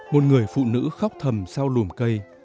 một người phụ nữ khóc thầm sau lùm cây